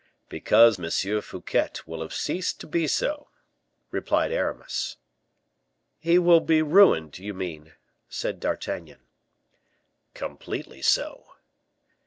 "Because M. Fouquet will have ceased to be so," replied Aramis. "He will be ruined, you mean?" said D'Artagnan. "Completely so."